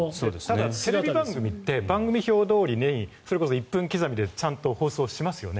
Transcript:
ただテレビ番組って番組表どおりにそれこそ１分刻みでちゃんと放送しますよね。